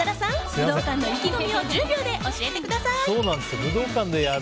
武道館の意気込みを１０秒で教えてください。